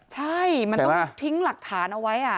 ใช่มันต้องทิ้งหลักฐานเอาไว้